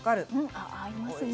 あ合いますね。